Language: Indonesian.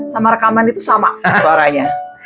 sama rekaman itu sama suaranya